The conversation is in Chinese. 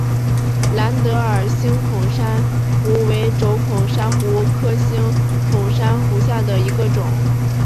蓝德尔星孔珊瑚为轴孔珊瑚科星孔珊瑚下的一个种。